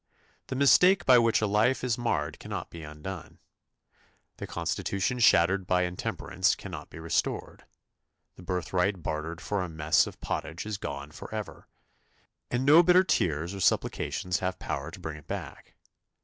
The mistake by which a life is marred cannot be undone. The constitution shattered by intemperance cannot be restored, the birthright bartered for a mess of pottage is gone for ever, and no bitter tears or supplications have power to bring it back.